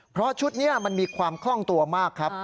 เพราะชุดนี้มันมีความคล่องตัวมากครับ